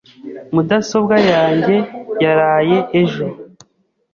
Mudasobwa yanjye yaraye ejo .